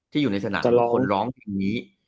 ที่อยู่ในสนามทุกคนร้องอย่างนี้